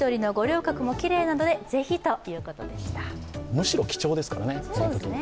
むしろ貴重ですからね。